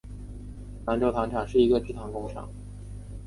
南州糖厂是一座位于屏东县南州乡溪北村的制糖工厂。